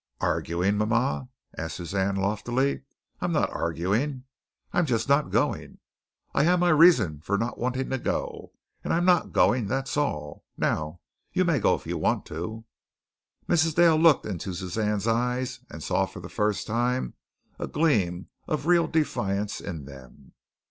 "Arguing, mama?" asked Suzanne loftily. "I'm not arguing. I'm just not going. I have my reasons for not wanting to go, and I'm not going, that's all! Now you may go if you want to." Mrs. Dale looked into Suzanne's eyes and saw for the first time a gleam of real defiance in them.